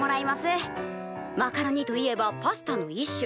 「マカロニといえばパスタの一種。